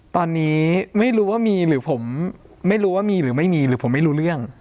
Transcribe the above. ตอนนี้ไม่รู้ว่ามีหรือผมไม่รู้ว่ามีหรือไม่มีหรือผมไม่รู้เรื่อง